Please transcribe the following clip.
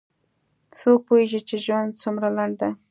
څوک پوهیږي چې ژوند څومره لنډ ده